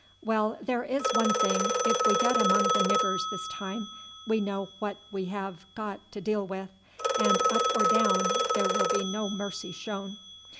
Well, there is one thing, if we get among the niggers this time we know what we have got to deal with, and up or down there will be no mercy shown."